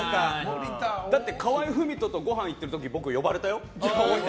だって河合郁人とごはんに行っている時僕、呼ばれたよ。